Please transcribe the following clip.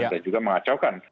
dan juga mengacaukan